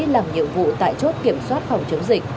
làm nhiệm vụ tại chốt kiểm soát phòng chống dịch